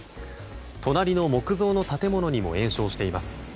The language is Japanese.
隣の木造の建物にも延焼しています。